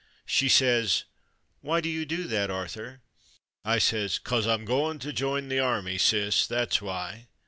' She says, " Why do you do that, Arthur .?" I says, ''Cos I'm goin' to join the Army, Ciss, that's why.